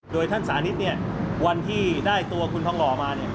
โดยท่านสานิทวันที่ได้ตัวคุณทองลอมา